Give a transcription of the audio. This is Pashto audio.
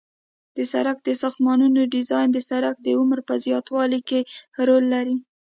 د سرک د ساختمانونو ډیزاین د سرک د عمر په زیاتوالي کې رول لري